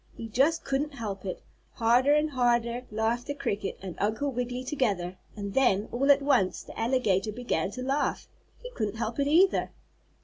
He just couldn't help it. Harder and harder laughed the cricket and Uncle Wiggily together, and then, all at once, the alligator began to laugh. He couldn't help it either.